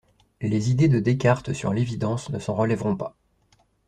Les idées de Descartes sur l'évidence ne s'en relèveront pas.